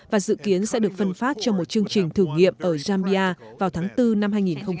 và dự kiến sẽ được phân phát cho một chương trình thử nghiệm ở zambia vào tháng bốn năm hai nghìn hai mươi